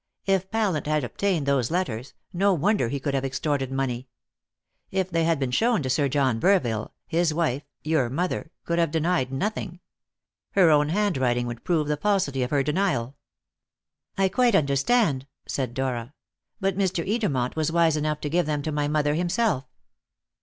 If Pallant had obtained those letters, no wonder he could have extorted money. If they had been shown to Sir John Burville, his wife your mother could have denied nothing. Her own handwriting would prove the falsity of her denial." "I quite understand," said Dora; "but Mr. Edermont was wise enough to give them to my mother himself."